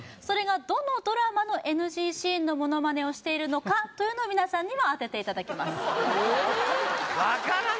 それがどのドラマのＮＧシーンのものまねをしているのかというのを皆さんには当てていただきます